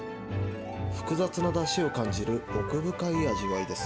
複雑なだしを感じる奥深い味わいです。